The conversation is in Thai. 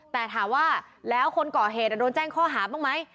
แต่ถามว่าแล้วคนก่อเหตุโดนแจ้งข้อหาบ้างไหม